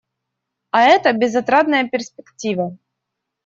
А это − безотрадная перспектива.